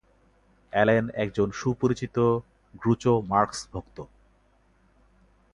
Allen একজন সুপরিচিত Groucho Marx ভক্ত।